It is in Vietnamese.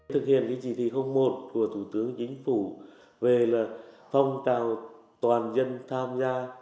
thực hiện chỉ thị hôm một của thủ tướng chính phủ về phong trào toàn dân tham gia